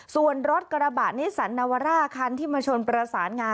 ส่วนรถกระบะนิสันนาวาร่าคันที่มาชนประสานงา